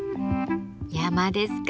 山ですか。